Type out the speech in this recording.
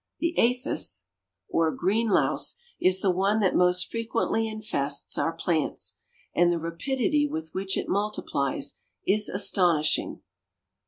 The APHIS or green louse is the one that most frequently infests our plants, and the rapidity with which it multiplies, is astonishing.